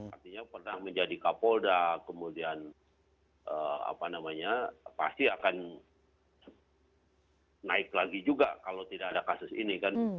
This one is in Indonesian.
artinya pernah menjadi kapolda kemudian apa namanya pasti akan naik lagi juga kalau tidak ada kasus ini kan